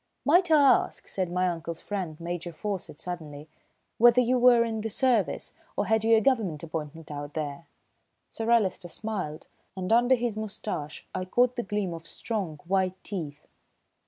"Might I ask," said my uncle's friend, Major Faucett, suddenly, "whether you were in the Service, or had you a Government appointment out there?" Sir Alister smiled, and under his moustache I caught the gleam of strong, white teeth.